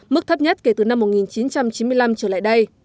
mức thấp nhất kể từ năm một nghìn chín trăm chín mươi năm trở lại đây